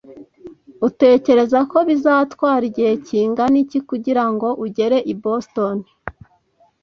Utekereza ko bizatwara igihe kingana iki kugirango ugere i Boston?